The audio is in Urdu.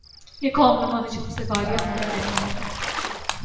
یِہ قوم نما ہجوم سے واریاں ہونا رہنا ہونا